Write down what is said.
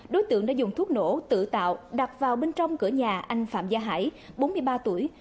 đối tượng đã dùng thuốc nổ tự tạo bên trong cửa nhà anh phạm gia hải bốn mươi ba tuổi